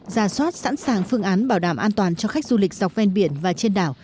ra soát sẵn sàng phương án bảo đảm an toàn cho khách du lịch dọc ven biển và trên đảo